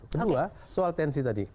kedua soal tensi tadi